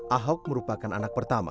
ahok merupakan anak pertama